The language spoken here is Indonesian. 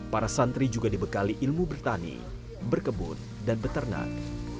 para santri juga dibekali ilmu bertani berkebun dan beternak